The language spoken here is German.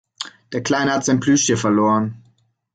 Der Kleine hat sein Plüschtier verloren.